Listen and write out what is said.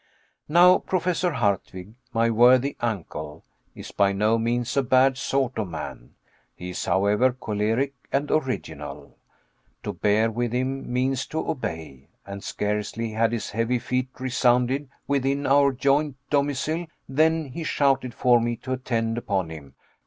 Now Professor Hardwigg, my worthy uncle, is by no means a bad sort of man; he is, however, choleric and original. To bear with him means to obey; and scarcely had his heavy feet resounded within our joint domicile than he shouted for me to attend upon him.